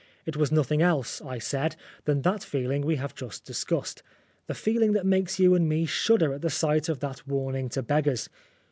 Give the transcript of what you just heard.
It was nothing else, I said, than that feeling we have just discussed, the feeling that makes you and me shudder at the sight of that warning to beggars.